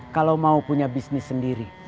kalau mau punya bisnis sendiri